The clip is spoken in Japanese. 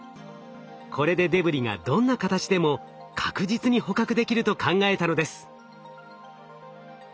これでデブリがどんな形でも確実に捕獲できると考えたのです。